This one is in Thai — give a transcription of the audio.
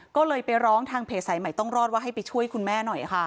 ก็เลยไปร้องทางเพจสายใหม่ต้องรอดว่าให้ไปช่วยคุณแม่หน่อยค่ะ